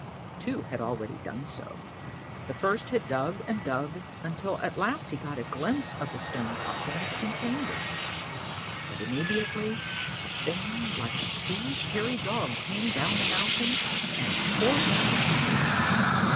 Two had already done so. The first had dug and dug until at last he got a glimpse of the stone coffin that contained it, but immediately a thing like a huge hairy dog came down the mountain and tore him to pieces.